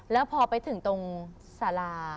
แล้วพอไปถึงตรงสารา